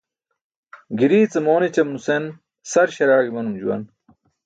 Girii ce moon ećam nusen sar śaraaẏ imanum juwan.